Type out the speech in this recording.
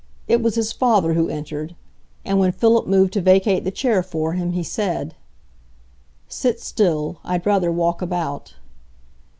It was his father who entered; and when Philip moved to vacate the chair for him, he said,— "Sit still. I'd rather walk about."